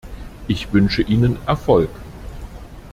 Ich wünsche Ihnen Erfolg!